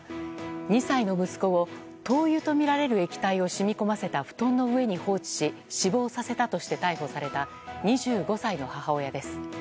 ２歳の息子を灯油とみられる液体を染み込ませた布団の上に放置し死亡させたとして逮捕された２５歳の母親です。